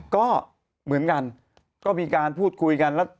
ก็เหมือนกันก็มีการพูดคุยกันแล้ว